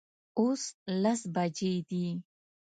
اوس لس بجې دي